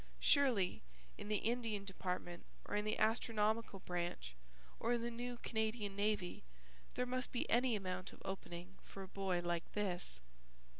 Surely in the Indian Department or in the Astronomical Branch or in the New Canadian Navy there must be any amount of opening for a boy like this?